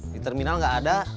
di terminal nggak ada